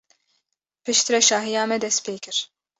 Piştre şahiya me dest pê kir.